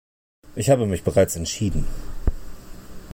Ich habe mich bereits entschieden.